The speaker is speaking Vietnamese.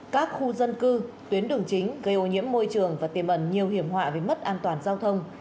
các khu dân cư tuyến đường chính gây ô nhiễm môi trường và tiềm ẩn nhiều hiểm họa về mất an toàn giao thông